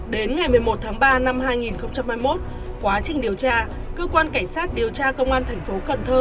đến ngày một mươi một tháng ba năm hai nghìn hai mươi một quá trình điều tra cơ quan cảnh sát điều tra công an thành phố cần thơ